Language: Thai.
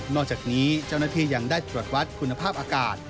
อกจากนี้เจ้าหน้าที่ยังได้ตรวจวัดคุณภาพอากาศ